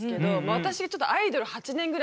私